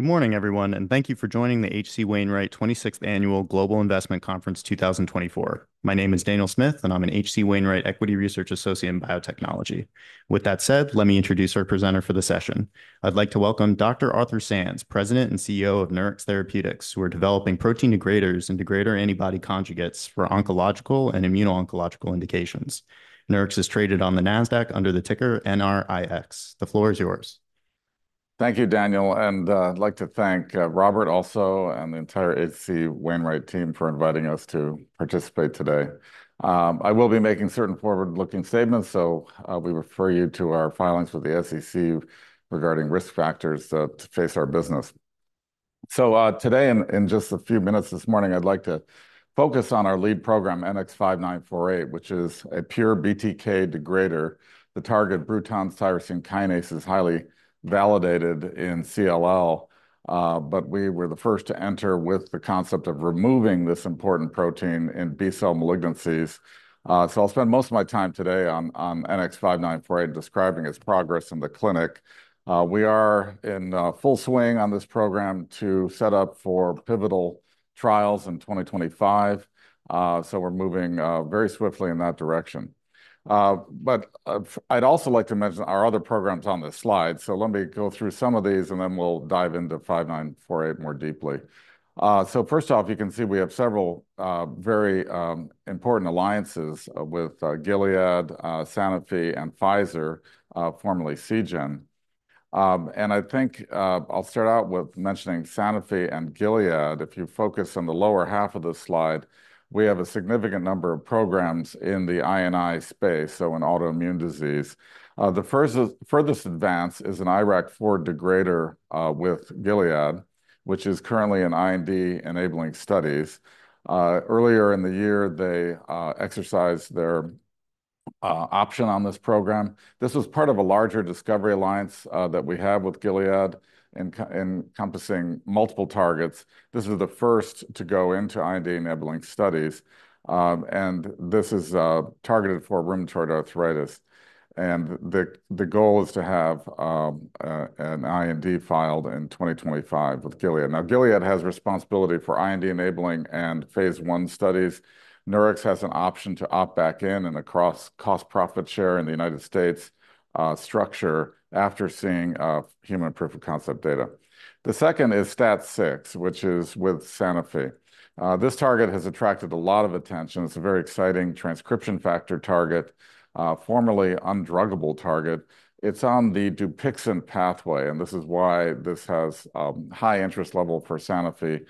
Good morning, everyone, and thank you for joining the H.C. Wainwright 26th Annual Global Investment Conference. My name is Daniel Smith, and I'm an H.C. Wainwright Equity Research Associate in Biotechnology. With that said, let me introduce our presenter for the session. I'd like to welcome Dr. Arthur Sands, President and CEO of Nurix Therapeutics, who are developing protein degraders and degrader antibody conjugates for oncological and immuno-oncological indications. Nurix is traded on the Nasdaq under the ticker NRIX. The floor is yours. Thank you, Daniel, and I'd like to thank Robert also, and the entire H.C. Wainwright team for inviting us to participate today. I will be making certain forward-looking statements, so we refer you to our filings with the SEC regarding risk factors that affect our business, so today, in just a few minutes this morning, I'd like to focus on our lead program, NX-5948, which is a pure BTK degrader. The target, Bruton tyrosine kinase, is highly validated in CLL, but we were the first to enter with the concept of removing this important protein in B-cell malignancies, so I'll spend most of my time today on NX-5948, describing its progress in the clinic. We are in full swing on this program to set up for pivotal trials in 2025, so we're moving very swiftly in that direction, but I'd also like to mention our other programs on this slide, so let me go through some of these, and then we'll dive into 5948 more deeply, so first off, you can see we have several very important alliances with Gilead, Sanofi, and Pfizer, formerly Seagen, and I think I'll start out with mentioning Sanofi and Gilead. If you focus on the lower half of this slide, we have a significant number of programs in the I&I space, so in autoimmune disease. The first, furthest advance is an IRAK4 degrader with Gilead, which is currently in IND-enabling studies. Earlier in the year, they exercised their option on this program. This was part of a larger discovery alliance that we have with Gilead, encompassing multiple targets. This is the first to go into IND-enabling studies, and this is targeted for rheumatoid arthritis. The goal is to have an IND filed in 2025 with Gilead. Now, Gilead has responsibility for IND-enabling and Phase I studies. Nurix has an option to opt back in and co-cost-profit share in the United States structure after seeing human proof of concept data. The second is STAT6, which is with Sanofi. This target has attracted a lot of attention. It's a very exciting transcription factor target, formerly undruggable target. It's on the Dupixent pathway, and this is why this has high interest level for Sanofi.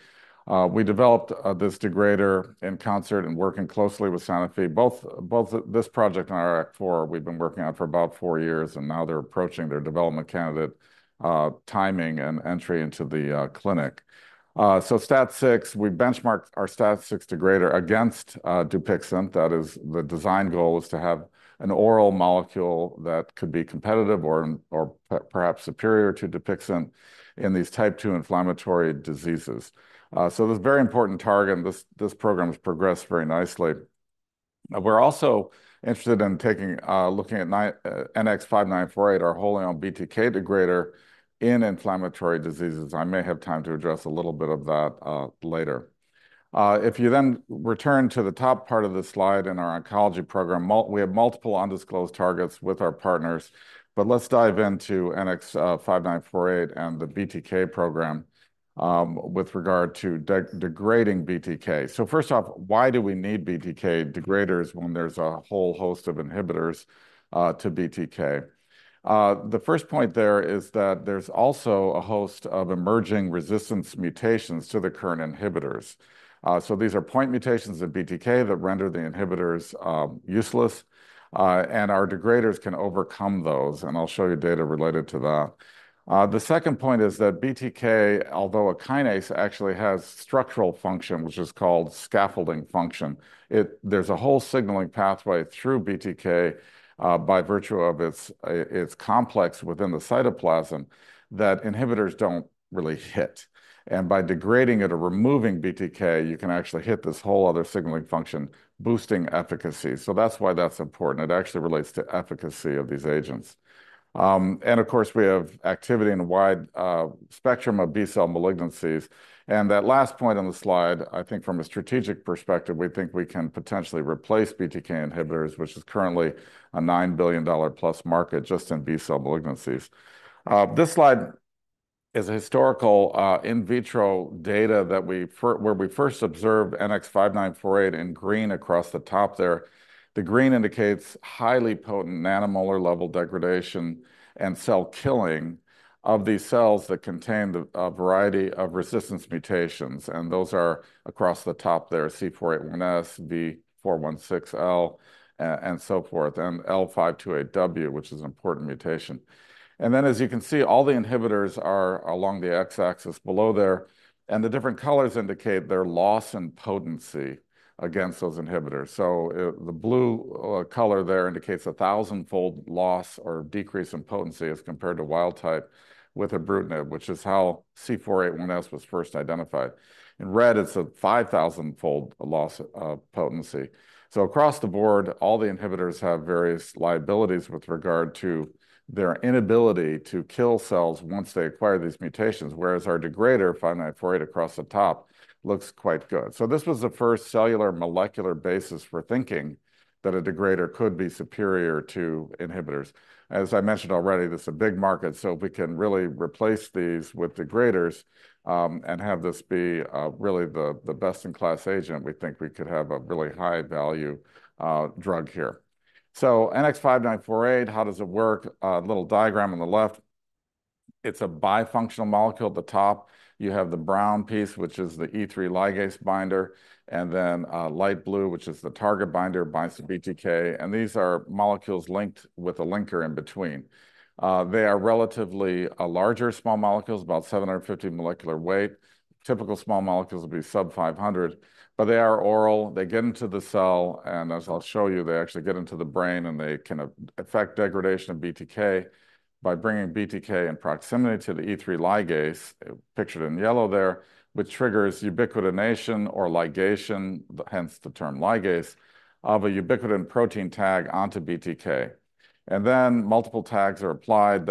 We developed this degrader in concert and working closely with Sanofi. Both this project and IRAK4, we've been working on for about four years, and now they're approaching their development candidate timing and entry into the clinic. STAT6, we benchmarked our STAT6 degrader against Dupixent. That is, the design goal is to have an oral molecule that could be competitive or perhaps superior to Dupixent in these Type II inflammatory diseases. This is a very important target, and this program has progressed very nicely. We're also interested in taking a look at NX-5948, our BTK degrader in inflammatory diseases. I may have time to address a little bit of that later. If you then return to the top part of this slide in our oncology program, we have multiple undisclosed targets with our partners, but let's dive into NX-5948 and the BTK program, with regard to degrading BTK. So first off, why do we need BTK degraders when there's a whole host of inhibitors to BTK? The first point there is that there's also a host of emerging resistance mutations to the current inhibitors. So these are point mutations of BTK that render the inhibitors useless, and our degraders can overcome those, and I'll show you data related to that. The second point is that BTK, although a kinase, actually has structural function, which is called scaffolding function. There's a whole signaling pathway through BTK, by virtue of its complex within the cytoplasm, that inhibitors don't really hit, and by degrading it or removing BTK, you can actually hit this whole other signaling function, boosting efficacy, so that's why that's important. It actually relates to efficacy of these agents, and of course, we have activity in a wide spectrum of B-cell malignancies, and that last point on the slide, I think from a strategic perspective, we think we can potentially replace BTK inhibitors, which is currently a $9 billion-plus market just in B-cell malignancies. This slide is a historical in vitro data where we first observed NX-5948 in green across the top there. The green indicates highly potent nanomolar-level degradation and cell killing of these cells that contain a variety of resistance mutations, and those are across the top there, C481S, V416L, and so forth, and L528W, which is an important mutation. Then, as you can see, all the inhibitors are along the X-axis below there, and the different colors indicate their loss and potency against those inhibitors. The blue color there indicates a thousand-fold loss or decrease in potency as compared to wild type with ibrutinib, which is how C481S was first identified. In red, it's a five-thousand-fold loss of potency. Across the board, all the inhibitors have various liabilities with regard to their inability to kill cells once they acquire these mutations, whereas our degrader, 5948, across the top, looks quite good. So this was the first cellular molecular basis for thinking that a degrader could be superior to inhibitors. As I mentioned already, this is a big market, so if we can really replace these with degraders, and have this be really the best-in-class agent, we think we could have a really high-value drug here. So NX-5948, how does it work? A little diagram on the left. It's a bifunctional molecule. At the top, you have the brown piece, which is the E3 ligase binder, and then a light blue, which is the target binder, binds to BTK. And these are molecules linked with a linker in between. They are relatively larger small molecules, about 750 molecular weight. Typical small molecules will be sub 500, but they are oral. They get into the cell, and as I'll show you, they actually get into the brain, and they can affect degradation of BTK by bringing BTK in proximity to the E3 ligase, pictured in yellow there, which triggers ubiquitination or ligation, hence the term ligase, of a ubiquitin protein tag onto BTK, and then multiple tags are applied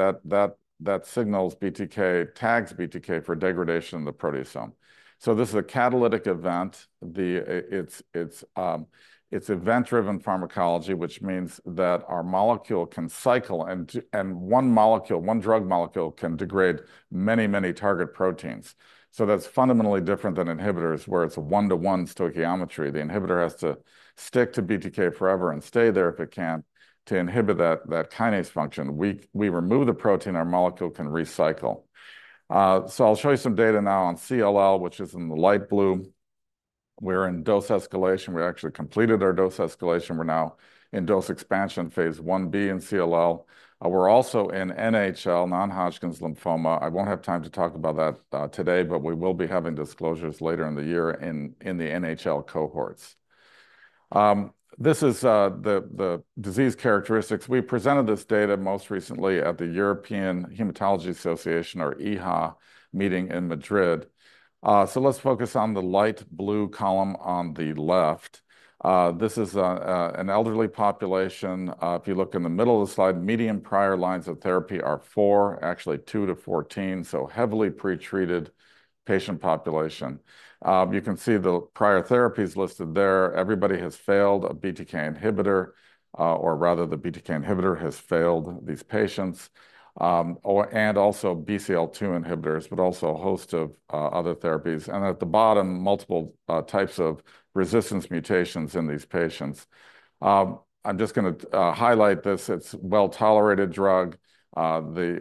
that signals BTK tags BTK for degradation in the proteasome. So this is a catalytic event. It's event-driven pharmacology, which means that our molecule can cycle, and one molecule, one drug molecule can degrade many, many target proteins. That's fundamentally different than inhibitors, where it's a one-to-one stoichiometry. The inhibitor has to stick to BTK forever and stay there if it can, to inhibit that kinase function. We remove the protein; our molecule can recycle. So I'll show you some data now on CLL, which is in the light blue. We're in dose escalation. We actually completed our dose escalation. We're now in dose expansion, Phase 1b in CLL. We're also in NHL, non-Hodgkin's lymphoma. I won't have time to talk about that today, but we will be having disclosures later in the year in the NHL cohorts. This is the disease characteristics. We presented this data most recently at the European Hematology Association, or EHA, meeting in Madrid. So let's focus on the light blue column on the left. This is an elderly population. If you look in the middle of the slide, median prior lines of therapy are four, actually two to 14, so heavily pretreated patient population. You can see the prior therapies listed there. Everybody has failed a BTK inhibitor, or rather, the BTK inhibitor has failed these patients, and also BCL-2 inhibitors, but also a host of other therapies, and at the bottom, multiple types of resistance mutations in these patients. I'm just gonna highlight this. It's a well-tolerated drug.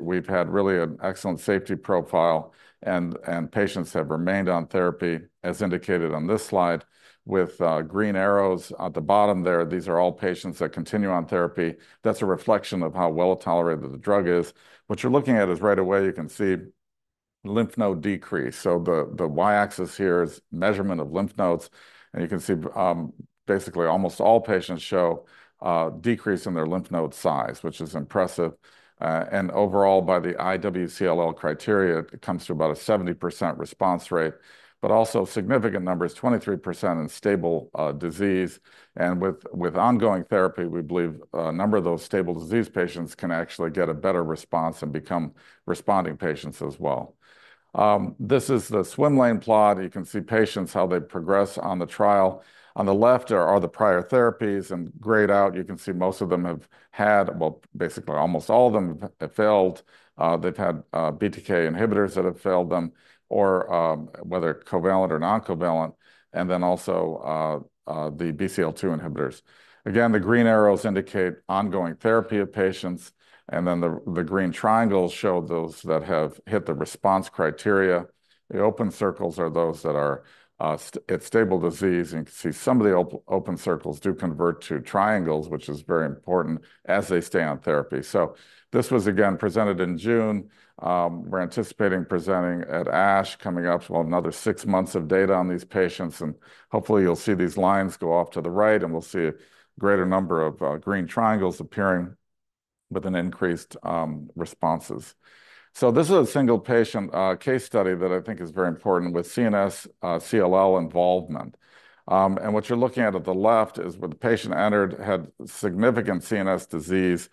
We've had really an excellent safety profile, and patients have remained on therapy, as indicated on this slide. With green arrows at the bottom there, these are all patients that continue on therapy. That's a reflection of how well-tolerated the drug is. What you're looking at is right away you can see lymph node decrease, so the y-axis here is measurement of lymph nodes, and you can see basically almost all patients show decrease in their lymph node size, which is impressive. Overall, by the IWCLL criteria, it comes to about a 70% response rate, but also significant numbers, 23% in stable disease. With ongoing therapy, we believe a number of those stable disease patients can actually get a better response and become responding patients as well. This is the swim lane plot. You can see patients, how they progress on the trial. On the left are the prior therapies, and grayed out, you can see most of them have had... well, basically almost all of them have failed. They've had BTK inhibitors that have failed them, or whether covalent or non-covalent, and then also the BCL-2 inhibitors. Again, the green arrows indicate ongoing therapy of patients, and then the green triangles show those that have hit the response criteria. The open circles are those that are at stable disease. You can see some of the open circles do convert to triangles, which is very important, as they stay on therapy, so this was again presented in June. We're anticipating presenting at ASH, coming up with another six months of data on these patients, and hopefully, you'll see these lines go off to the right, and we'll see a greater number of green triangles appearing with an increased responses, so this is a single-patient case study that I think is very important with CNS CLL involvement, and what you're looking at at the left is when the patient entered, had significant CNS disease,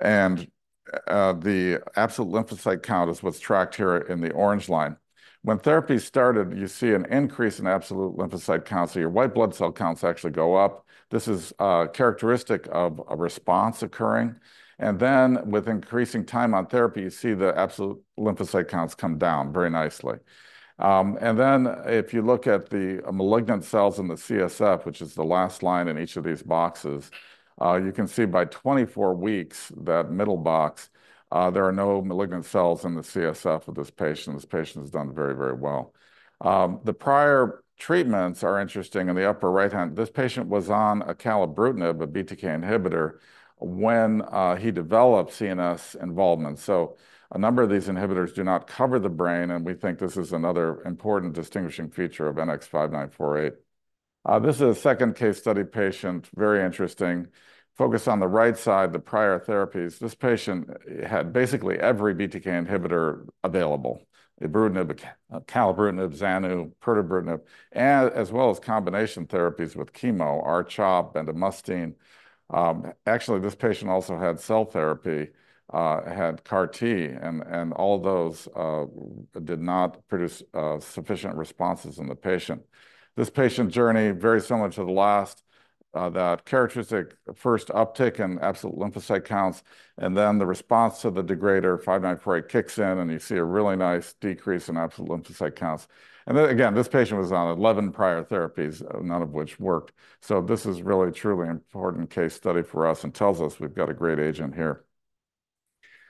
and the absolute lymphocyte count is what's tracked here in the orange line. When therapy started, you see an increase in absolute lymphocyte counts, so your white blood cell counts actually go up. This is characteristic of a response occurring. And then with increasing time on therapy, you see the absolute lymphocyte counts come down very nicely. And then if you look at the malignant cells in the CSF, which is the last line in each of these boxes, you can see by 24 weeks, that middle box, there are no malignant cells in the CSF of this patient. This patient has done very, very well. The prior treatments are interesting. In the upper right-hand, this patient was on acalabrutinib, a BTK inhibitor, when he developed CNS involvement. So a number of these inhibitors do not cover the brain, and we think this is another important distinguishing feature of NX-5948.... This is a second case study patient, very interesting. Focus on the right side, the prior therapies. This patient had basically every BTK inhibitor available: ibrutinib, acalabrutinib, Zanu, pirtobrutinib, and as well as combination therapies with chemo, R-CHOP and lomustine. Actually, this patient also had cell therapy, had CAR T, and all those did not produce sufficient responses in the patient. This patient's journey, very similar to the last, that characteristic first uptick in absolute lymphocyte counts, and then the response to the degrader, 5948, kicks in, and you see a really nice decrease in absolute lymphocyte counts. Then, again, this patient was on 11 prior therapies, none of which worked. So this is really a truly important case study for us and tells us we've got a great agent here.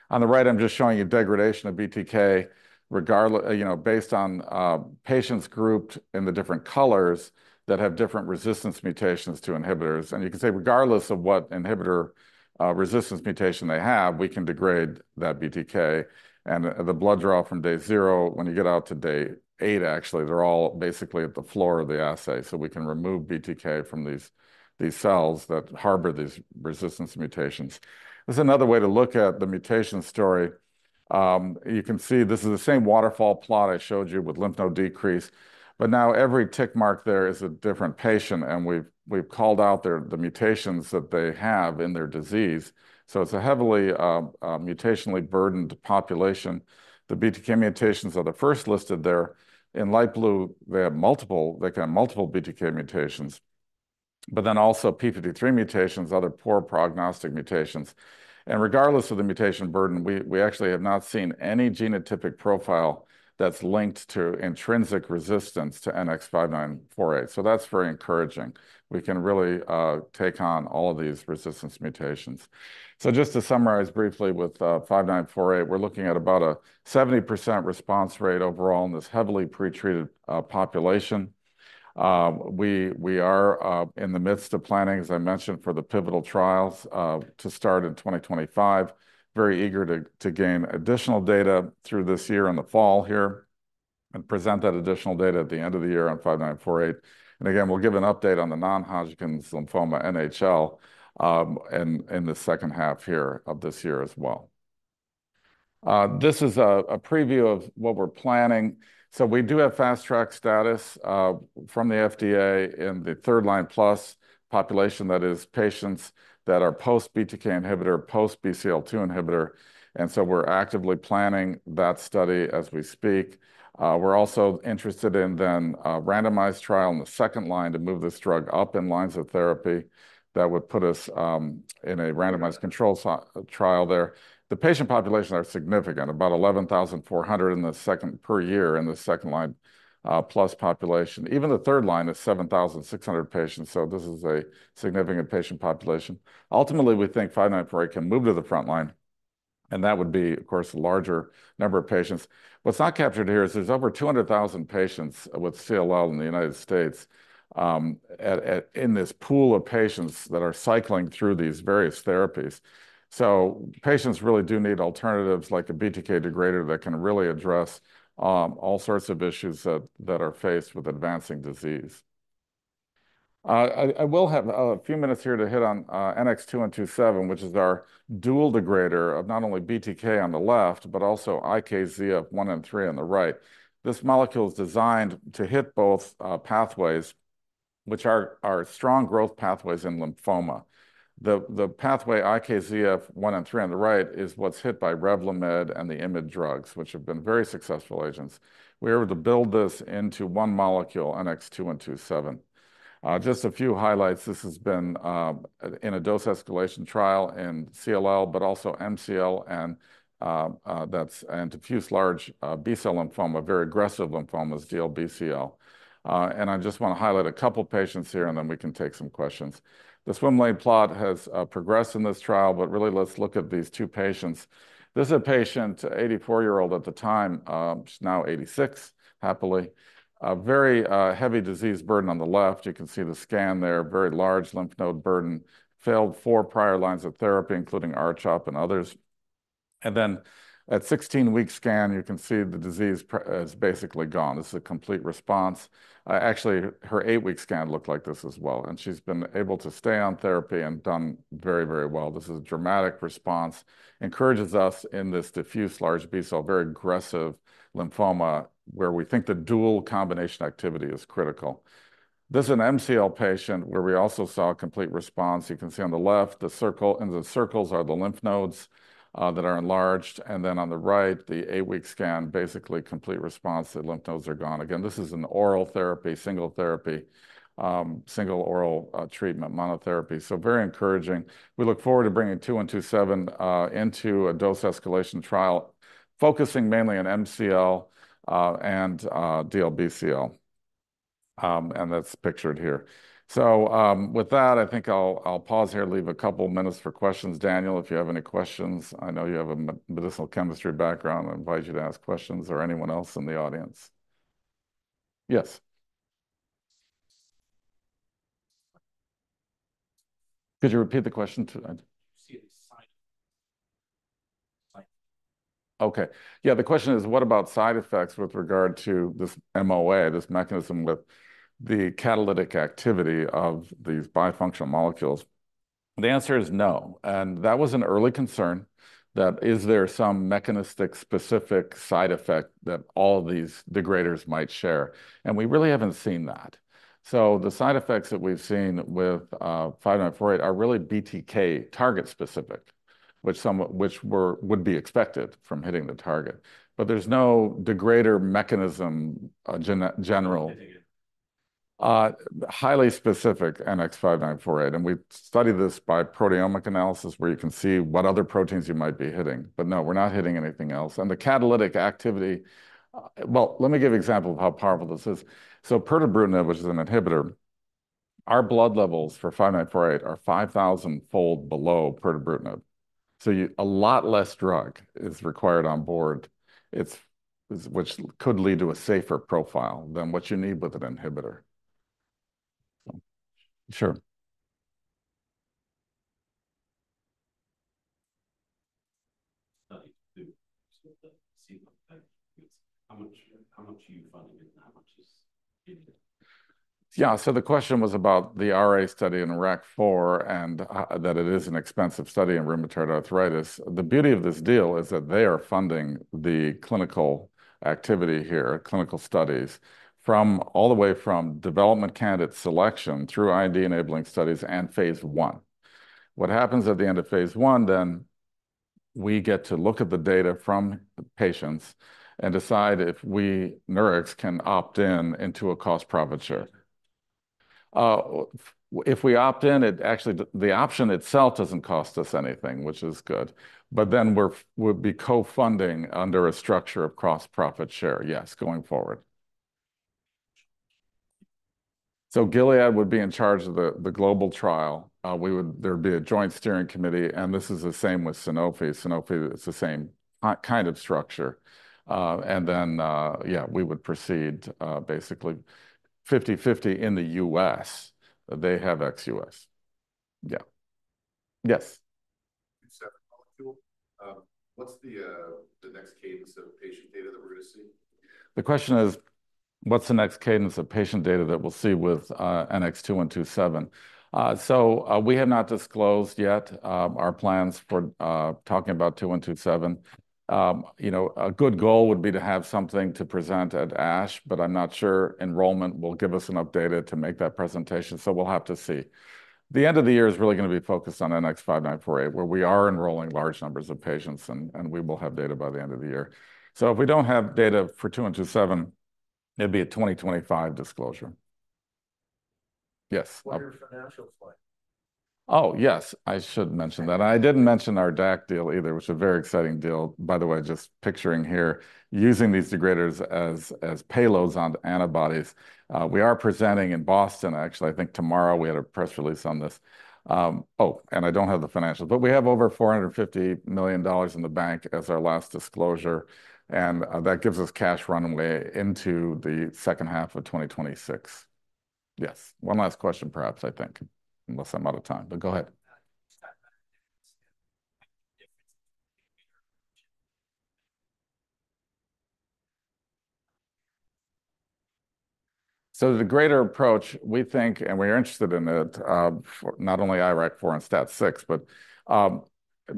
On the right, I'm just showing you degradation of BTK, you know, based on patients grouped in the different colors that have different resistance mutations to inhibitors, and you can say, regardless of what inhibitor resistance mutation they have, we can degrade that BTK, and the blood draw from day zero, when you get out to day eight, actually, they're all basically at the floor of the assay, so we can remove BTK from these cells that harbor these resistance mutations. This is another way to look at the mutation story. You can see this is the same waterfall plot I showed you with lymph node decrease, but now every tick mark there is a different patient, and we've called out the mutations that they have in their disease, so it's a heavily mutationally burdened population. The BTK mutations are the first listed there. In light blue, they can have multiple BTK mutations, but then also p53 mutations, other poor prognostic mutations. Regardless of the mutation burden, we actually have not seen any genotypic profile that's linked to intrinsic resistance to NX-5948. So that's very encouraging. We can really take on all of these resistance mutations. So just to summarize briefly with 5948, we're looking at about a 70% response rate overall in this heavily pretreated population. We are in the midst of planning, as I mentioned, for the pivotal trials to start in 2025. Very eager to gain additional data through this year in the fall here and present that additional data at the end of the year on 5948. And again, we'll give an update on the non-Hodgkin lymphoma, NHL, in the second half here of this year as well. This is a preview of what we're planning. So we do have fast track status from the FDA in the third line plus population, that is, patients that are post-BTK inhibitor, post-BCL2 inhibitor, and so we're actively planning that study as we speak. We're also interested in then a randomized trial in the second line to move this drug up in lines of therapy. That would put us in a randomized controlled trial there. The patient populations are significant, about 11,400 per year in the second line plus population. Even the third line is 7,600 patients, so this is a significant patient population. Ultimately, we think NX-5948 can move to the front line, and that would be, of course, a larger number of patients. What's not captured here is there's over 200,000 patients with CLL in the United States in this pool of patients that are cycling through these various therapies. So patients really do need alternatives like a BTK degrader that can really address all sorts of issues that are faced with advancing disease. I will have a few minutes here to hit on NX-2127, which is our dual degrader of not only BTK on the left, but also IKZF1 and IKZF3 on the right. This molecule is designed to hit both pathways, which are strong growth pathways in lymphoma. The pathway IKZF1 and IKZF3 on the right is what's hit by Revlimid and the IMiD drugs, which have been very successful agents. We're able to build this into one molecule, NX-2127. Just a few highlights. This has been in a dose-escalation trial in CLL, but also MCL, and diffuse large B-cell lymphoma, very aggressive lymphomas, DLBCL, and I just wanna highlight a couple patients here, and then we can take some questions. The swim lane plot has progressed in this trial, but really, let's look at these two patients. This is a patient, eighty-four-year-old at the time, she's now eighty-six, happily. A very heavy disease burden on the left. You can see the scan there, very large lymph node burden, failed four prior lines of therapy, including R-CHOP and others. At 16-week scan, you can see the disease is basically gone. This is a complete response. Actually, her 8-week scan looked like this as well, and she's been able to stay on therapy and done very, very well. This is a dramatic response, encourages us in this diffuse large B-cell, very aggressive lymphoma, where we think the dual combination activity is critical. This is an MCL patient where we also saw a complete response. You can see on the left, the circles are the lymph nodes that are enlarged, and then on the right, the 8-week scan, basically complete response, the lymph nodes are gone. Again, this is an oral therapy, single therapy, single oral treatment, monotherapy, so very encouraging. We look forward to bringing NX-2127 into a dose-escalation trial, focusing mainly on MCL and DLBCL. And that's pictured here. So, with that, I think I'll pause here and leave a couple of minutes for questions. Daniel, if you have any questions, I know you have a medicinal chemistry background. I invite you to ask questions or anyone else in the audience. Yes? Did you repeat the question to- Do you see a sign-... Okay. Yeah, the question is, what about side effects with regard to this MOA, this mechanism with the catalytic activity of these bifunctional molecules? The answer is no. And that was an early concern, that is there some mechanistic, specific side effect that all these degraders might share? And we really haven't seen that. So the side effects that we've seen with NX-5948 are really BTK target-specific, which would be expected from hitting the target. But there's no degrader mechanism general. Highly specific, NX-5948, and we studied this by proteomic analysis, where you can see what other proteins you might be hitting. But no, we're not hitting anything else. And the catalytic activity. Well, let me give you an example of how powerful this is. So, pirtobrutinib, which is an inhibitor, our blood levels for 5948 are five thousand fold below pirtobrutinib. So, you a lot less drug is required on board. It's, which could lead to a safer profile than what you need with an inhibitor. So, sure. Study to see how much, how much are you funding it, and how much is it? Yeah, so the question was about the RA study in IRAK4, and that it is an expensive study in rheumatoid arthritis. The beauty of this deal is that they are funding the clinical activity here, clinical studies, from all the way from development candidate selection through IND-enabling studies and Phase 1. What happens at the end of Phase 1 then, we get to look at the data from the patients and decide if we, Nurix, can opt in into a cost-profit share. If we opt in, it actually, the option itself doesn't cost us anything, which is good, but then we'll be co-funding under a structure of cost-profit share, yes, going forward. So Gilead would be in charge of the global trial. There'd be a joint steering committee, and this is the same with Sanofi. Sanofi, it's the same kind of structure. And then, yeah, we would proceed basically fifty-fifty in the U.S. They have ex-U.S. Yeah. Yes?... molecule. What's the next cadence of patient data that we're gonna see? The question is, what's the next cadence of patient data that we'll see with NX-2127? So, we have not disclosed yet our plans for talking about 2127. You know, a good goal would be to have something to present at ASH, but I'm not sure enrollment will give us enough data to make that presentation, so we'll have to see. The end of the year is really gonna be focused on NX-5948, where we are enrolling large numbers of patients, and we will have data by the end of the year. So if we don't have data for 2127, it'd be a 2025 disclosure. Yes? What are your financials like? Oh, yes, I should mention that. I didn't mention our DAC deal either, which is a very exciting deal. By the way, just pitching here, using these degraders as payloads on antibodies. We are presenting in Boston, actually, I think tomorrow. We had a press release on this. Oh, and I don't have the financials, but we have over $450 million in the bank as our last disclosure, and that gives us cash runway into the second half of 2026. Yes. One last question, perhaps, I think, unless I'm out of time, but go ahead. difference. So the degrader approach, we think, and we're interested in it, for not only IRAK4 and STAT6, but,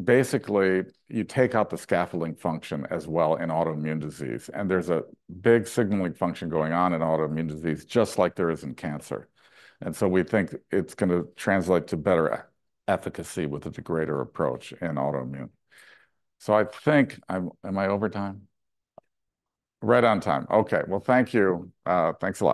basically, you take out the scaffolding function as well in autoimmune disease, and there's a big signaling function going on in autoimmune disease, just like there is in cancer. And so we think it's gonna translate to better efficacy with the degrader approach in autoimmune. So I think. Am I over time? Right on time. Okay. Well, thank you. Thanks a lot.